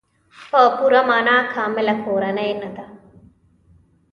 په پوره معنا کامله کورنۍ نه ده.